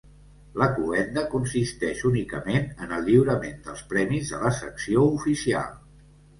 La cloenda consisteix únicament en el lliurament dels premis de la Secció Oficial.